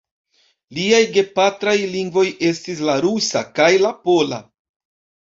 Liaj gepatraj lingvoj estis la rusa kaj la pola.